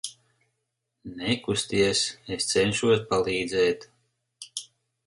Nekusties, es cenšos palīdzēt.